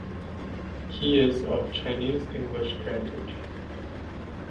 He is of Chinese-English parentage.